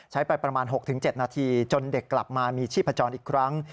ไปประมาณ๖๗นาทีจนเด็กกลับมามีชีพจรอีกครั้ง